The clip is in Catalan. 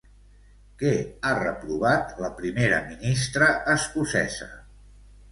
Què ha reprovat la primera ministra escocesa?